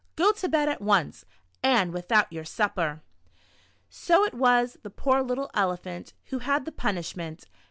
Go to bed at once, and Avithout your supper." So it was the poor little Elephant who had the punishment.